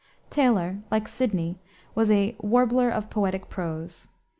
Taylor, like Sidney, was a "warbler of poetic prose."